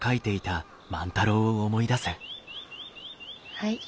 はい。